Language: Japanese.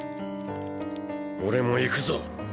俺も行くぞ。